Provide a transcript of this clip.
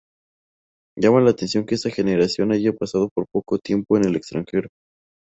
Llama la atención que esta generación haya pasado poco tiempo en el extranjero.